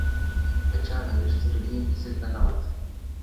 د چا د ويښ زړگي ميسج ننوت،